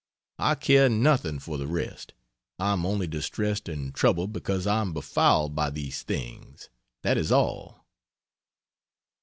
I care nothing for the rest I am only distressed and troubled because I am befouled by these things. That is all.